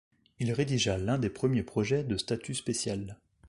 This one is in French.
Il rédigea l'un des premiers projets de Statut spécial.